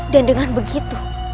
dan dengan begitu